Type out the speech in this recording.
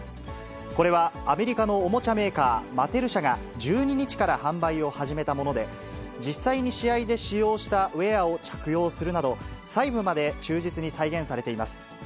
これはアメリカのおもちゃメーカー、マテル社が１２日から販売を始めたもので、実際に試合で使用したウエアを着用するなど、細部まで忠実に再現されています。